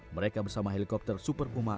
mereka bersama helikopter super umar